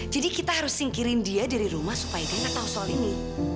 jadi kita harus singkirin dia dari rumah supaya dia nggak tahu soal ini